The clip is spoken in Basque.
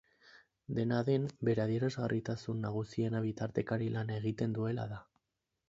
Dena den, bere adierazgarritasun nagusiena bitartekari lana egiten duela da.